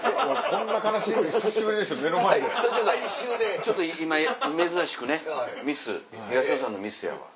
ちょっと今珍しくねミス東野さんのミスやわ。